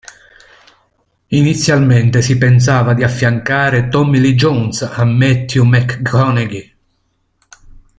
Inizialmente si pensava di affiancare Tommy Lee Jones a Matthew McConaughey.